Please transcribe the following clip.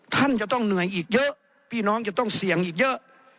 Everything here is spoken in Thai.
ท่านจะต้องเหนื่อยอีกเยอะพี่น้องจะต้องเสี่ยงอีกเยอะ